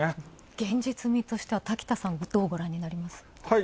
現実味としては滝田さん、どうご覧になります？